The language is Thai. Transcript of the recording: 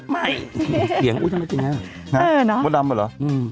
ใหม่เหลียงอุ๊ยทำไมเป็นแบบนี้เออเนอะมัวดำเหรออืม